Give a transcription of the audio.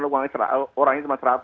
kalau orangnya cuma seratus